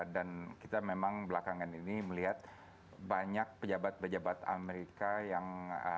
dan kita memang belakangan ini melihat banyak pejabat pejabat amerika yang